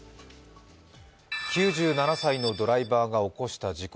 ９７歳のドライバーが起こした事故。